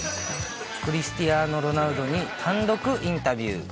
クリスティアーノ・ロナウドに単独インタビュー。